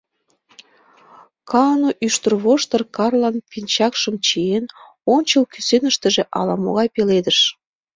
Каану Ӱштервоштыр-Карлан пинчакшым чиен, ончыл кӱсеныштыже — ала-могай пеледыш.